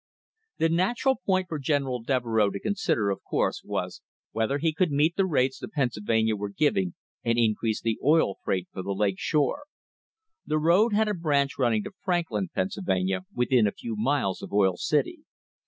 The natural point for General Devereux to consider, of course, was whether he could meet the rates the Pennsyl vania were giving and increase the oil freight for the Lake Shore. The road had a branch running to Franklin, Pennsyl vania, within a few miles of Oil City.